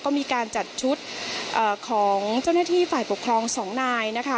ก็มีการจัดชุดของเจ้าหน้าที่ฝ่ายปกครองสองนายนะคะ